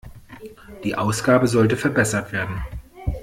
Die Ausgabe sollte verbessert werden.